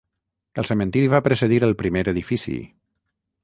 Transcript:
El cementiri va precedir el primer edifici.